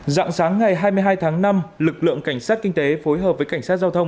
dạng sáng ngày hai mươi hai tháng năm lực lượng cảnh sát kinh tế phối hợp với cảnh sát giao thông